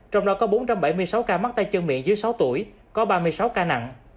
trong đó có bốn trăm bảy mươi sáu ca mắc tay chân miệng dưới sáu tuổi có ba mươi sáu ca nặng